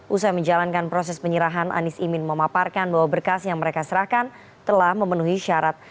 usai menjalankan proses penyerahan anies imin memaparkan bahwa berkas yang mereka serahkan telah memenuhi syarat